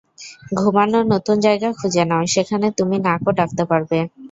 ঘুমানোর নতুন জায়গা খুঁজে নাও, সেখানে তুমি নাকও ডাকতে পারবে।